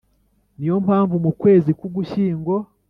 Ni yo mpamvu mu kwezi k Ugushyingo